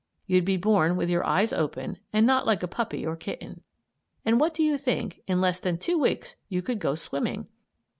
You'd be born with your eyes open and not like a puppy or kitten. And, what do you think, in less than two weeks you could go swimming.